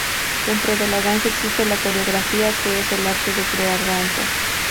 Dentro de la danza existe la coreografía, que es el arte de crear danzas.